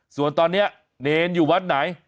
ส่วนตอนนี้เนรอยู่วัดไหน